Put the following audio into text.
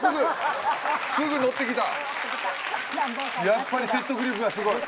やっぱり説得力がすごい。